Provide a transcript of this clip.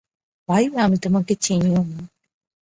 ভাই, আমি তোমাকে চিনিও না!